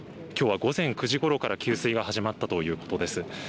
きょうは午前９時ごろから給水が始まったということです。